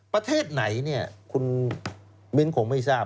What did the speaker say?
ประเทศไหนคุณมิ้นท์คงไม่ทราบ